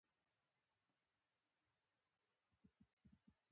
په خیر د راشی قاری هم ده